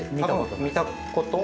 見たこと？